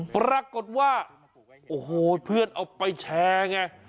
ปรากฏว่าโอ้โหเพื่อนเอาไปแชร์ไง